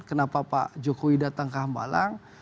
kenapa pak jokowi datang ke hambalang